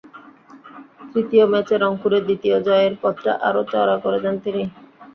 তৃতীয় ম্যাচে রংপুরের দ্বিতীয় জয়ের পথটা আরও চওড়া করে দেন তিনিই।